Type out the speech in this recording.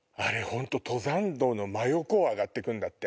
本当登山道の真横を上がってくんだって。